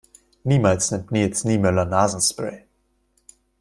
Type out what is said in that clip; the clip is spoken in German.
Niemals nimmt Nils Niemöller Nasenspray.